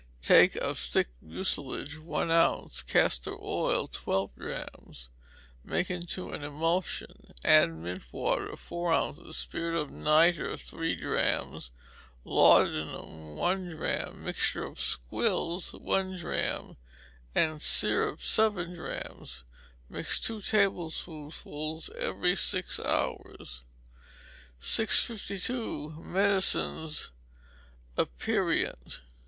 Take of thick mucilage, one ounce; castor oil, twelve drachms; make into an emulsion: add mint water, four ounces; spirit of nitre, three drachms; laudanum, one drachm; mixture of squills, one drachm; and syrup, seven drachms; mix; two tablespoonfuls every six hours. 652. Medicines (Aperient).